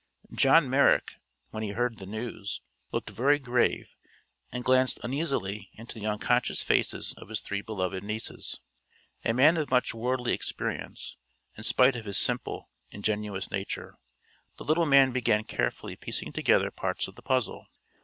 John Merrick, when he heard the news, looked very grave and glanced uneasily into the unconscious faces of his three beloved nieces. A man of much worldly experience, in spite of his simple, ingenuous nature, the little man began carefully piecing together parts of the puzzle.